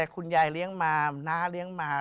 คุณยายเลี้ยงมาน้าเลี้ยงมา